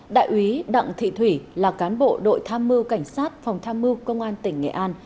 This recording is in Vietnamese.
đại úy đặng thị thủy là cán bộ đội tham mưu cảnh sát phòng tham mưu công an tỉnh nghệ an